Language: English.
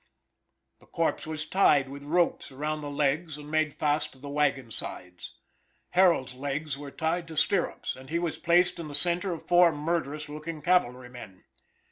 The corpse was tied with ropes around the legs and made fast to the wagon sides. Harold's legs were tied to stirrups, and he was placed in the centre of four murderous looking cavalrymen.